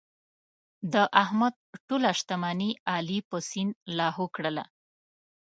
د احمد ټوله شتمني علي په سیند لاهو کړله.